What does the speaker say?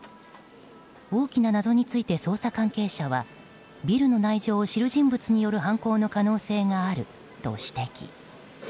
大きな謎について捜査関係者はビルの内情を知る人物による犯行の可能性があると指摘。